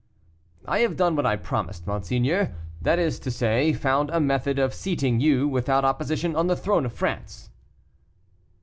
"I have done what I promised, monseigneur; that is to say, found a method of seating you, without opposition, on the throne of France!"